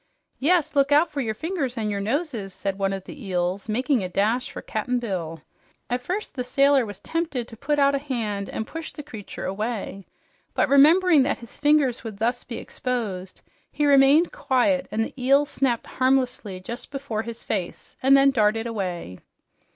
"Yes, look out for your fingers and your noses!" said one of the eels, making a dash for Cap'n Bill. At first the sailor was tempted to put out a hand and push the creature away, but remembering that his fingers would thus be exposed, he remained quiet, and the eel snapped harmlessly just before his face and then darted away.